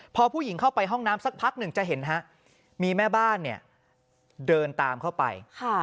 พอผู้หญิงเข้าไปห้องน้ำสักพักหนึ่งจะเห็นฮะมีแม่บ้านเนี่ยเดินตามเข้าไป